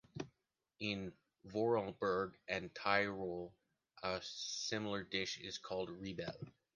In Vorarlberg and Tyrol a similar dish is called Riebel.